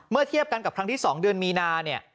เมื่อเทียบกันกับทางที่๒เดือนมีนาเนี่ย